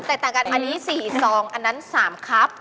ต่างกันอันนี้๔ซองอันนั้น๓ครับ